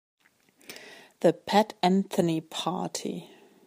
The Pat Anthony Party.